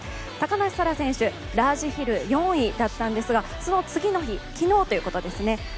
高梨沙羅選手、ラージヒル４位だったんですが、その次の日昨日ということですね